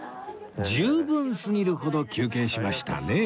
十分すぎるほど休憩しましたね